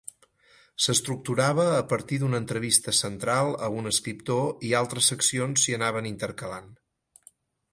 S'estructurava a partir d'una entrevista central a un escriptor i altres seccions s'hi anaven intercalant.